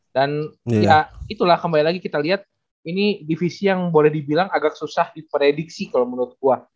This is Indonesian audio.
dan ya itulah kembali lagi kita lihat ini divisi yang boleh dibilang agak susah diprediksi kalau menurut gue